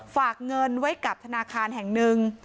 ฝากเงินไว้กับธนาคารแห่งหนึ่ง